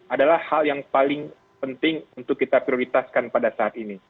adalah hal yang paling penting untuk kita prioritaskan pada saat ini